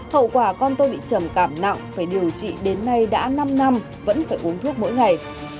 hậu quả con tôi bị trầm cảm nặng phải điều trị đến nay đã năm năm vẫn phải uống thuốc mỗi ngày